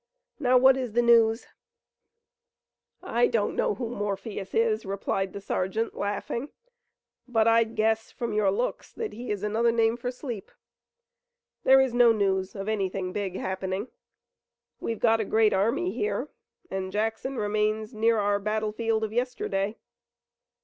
Now what is the news?" "I don't know who Morpheus is," replied the sergeant, laughing, "but I'd guess from your looks that he is another name for sleep. There is no news of anything big happenin'. We've got a great army here, and Jackson remains near our battlefield of yesterday.